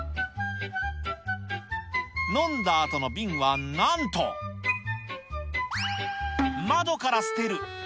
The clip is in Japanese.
飲んだあとの瓶はなんと、窓から捨てる。